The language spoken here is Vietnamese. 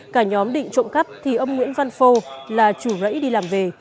cả nhóm định trộm cắp thì ông nguyễn văn phô là chủ rẫy đi làm về